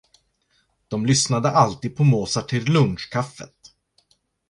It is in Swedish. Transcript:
De lyssnade alltid på Mozart till lunchkaffet.